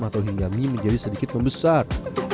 atau hingga mie menjadi sedikit membesar